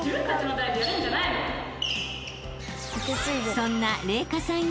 ［そんな］